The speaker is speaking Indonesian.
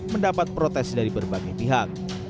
mendapat protes dari berbagai pihak